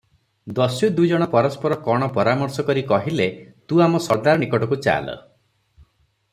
ଦସ୍ୟୁ ଦୁଇ ଜଣ ପରସ୍ପର କଣ ପରାମର୍ଶ କରି କହିଲେ, "ତୁ ଆମ ସର୍ଦ୍ଦାର ନିକଟକୁ ଚାଲ ।